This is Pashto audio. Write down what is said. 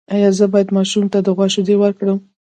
ایا زه باید ماشوم ته د غوا شیدې ورکړم؟